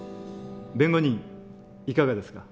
弁護人いかがですか？